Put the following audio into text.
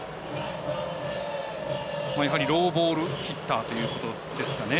やはりローボールヒッターということですかね。